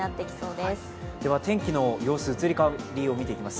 では天気の様子、移り変わりを見ていきます。